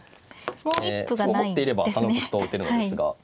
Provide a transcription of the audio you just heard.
歩を持っていれば３六歩と打てるのですが。